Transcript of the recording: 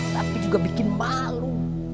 tapi juga bikin malu